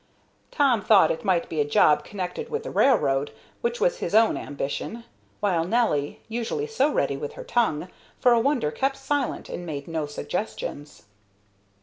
Tom thought it might be a job connected with the railroad, which was his own ambition; while Nelly, usually so ready with her tongue, for a wonder kept silent and made no suggestions.